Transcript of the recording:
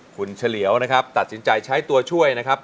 คุณเฉลียวนะครับตัดสินใจใช้ตัวช่วยนะครับ